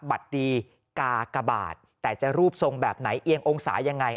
บัตรดีกากบาทแต่จะรูปทรงแบบไหนเอียงองศายังไง